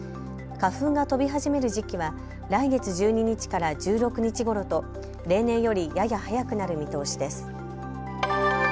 花粉が飛び始める時期は来月１２日から１６日ごろと例年よりやや早くなる見通しです。